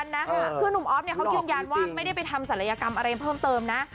นุ่มอ๊อฟเนี่ยเค้าย้อนว่าไม่ได้ไปทำสารัยกรรมอะไรเพิ่มเติมนะ